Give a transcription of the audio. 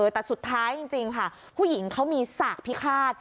แต่สุดท้ายจริงค่ะผู้หญิงเขามีสากพิฆาต